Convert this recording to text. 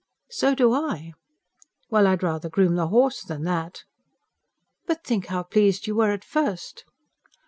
"So do I." "Well, I'd rather groom the horse than that." "But think how pleased you were at first!"